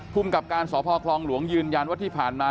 ภูมิกับการสพคลองหลวงยืนยันว่าที่ผ่านมา